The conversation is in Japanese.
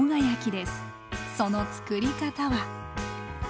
その作り方は？